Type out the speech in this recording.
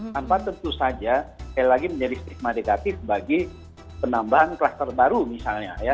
tanpa tentu saja lagi menjadi stigma negatif bagi penambahan kelas terbaru misalnya ya